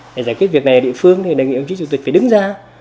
để giải quyết việc này ở địa phương thì đồng chí chủ tịch phải đứng ra